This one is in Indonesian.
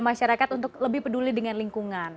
masyarakat untuk lebih peduli dengan lingkungan